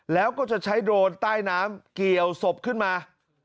แล้วก็จะใช้โดรนใต้น้ำเกี่ยวศพขึ้นมา